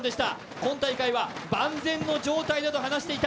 今大会は、万全の状態だと話していた。